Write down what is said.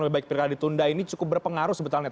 lebih baik pilkada ditunda ini cukup berpengaruh sebetulnya